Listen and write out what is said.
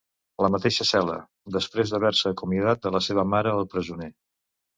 La mateixa cel·la, després d'haver-se acomiadat de la seva mare el presoner.